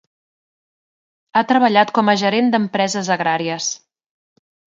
Ha treballat com a gerent d'empreses agràries.